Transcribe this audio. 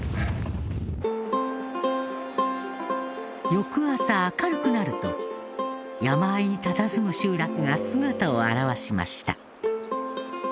翌朝、明るくなると山あいにたたずむ集落が姿を現しました